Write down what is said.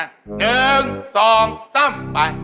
หนึ่งสองสามไป